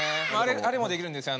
あれもできるんですよ。